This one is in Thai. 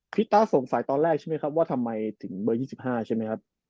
ต้าสงสัยตอนแรกใช่ไหมครับว่าทำไมถึงเบอร์๒๕ใช่ไหมครับ